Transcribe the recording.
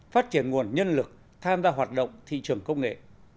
phát triển nguồn nhân lực tham gia hoạt động thị trường công nghệ